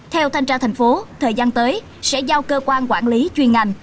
theo thanh tra thành phố thời gian tới sẽ giao cơ quan quản lý chuyên ngành